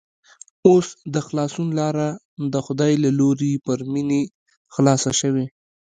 اوس د خلاصون لاره د خدای له لوري پر مينې خلاصه شوې